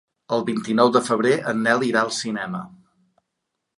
El vint-i-nou de febrer en Nel irà al cinema.